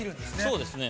◆そうですね。